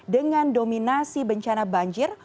dengan dominasi bencana banjir